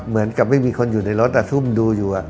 เหมือนกับไม่มีคนอยู่ในรถซุ่มดูอยู่